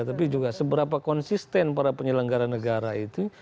tapi juga seberapa konsisten para penyelenggara negara itu